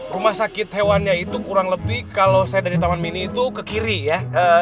rumah sakit hewannya itu kurang lebih kalau saya dari taman mini itu ke kiri ya